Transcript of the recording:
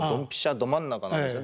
ど真ん中なんですよね。